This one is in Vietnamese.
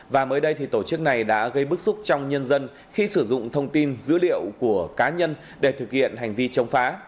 và mới đây tổ chức này đã gây bức xúc trong nhân dân khi sử dụng thông tin dữ liệu của cá nhân để thực hiện hành vi chống phá